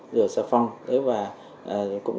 rửa sạp phòng